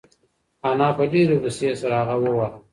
انا په ډېرې غوسې سره هغه وواهه.